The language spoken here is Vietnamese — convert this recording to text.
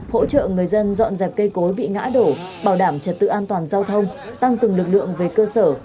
hỗ trợ người dân dọn dẹp cây cối bị ngã đổ bảo đảm trật tự an toàn giao thông tăng từng lực lượng về cơ sở